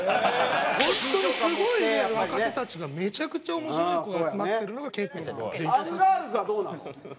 本当にすごい若手たちがめちゃくちゃ面白い子が集まってるのがＫ−ＰＲＯなんですよ。